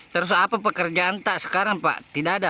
terus apa pekerjaan tak sekarang pak tidak ada